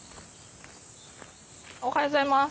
おはようございます。